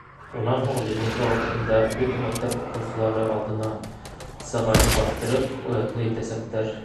Унан һуң линейка ваҡытында бөтә мәктәп уҡыусылары алдына сығарып баҫтырып, оятлы итәсәктәр.